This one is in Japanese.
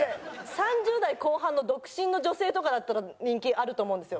３０代後半の独身の女性とかだったら人気あると思うんですよ。